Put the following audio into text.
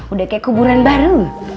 udah kayak kuburan baru